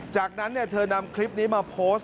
จากนั้นเธอนำคลิปนี้มาโพสต์